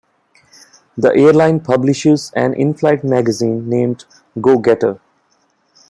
The airline publishes an in-flight magazine named "Go-getter".